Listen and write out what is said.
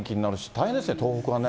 大変ですね、東北はね。